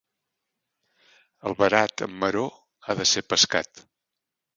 El verat amb maror ha de ser pescat.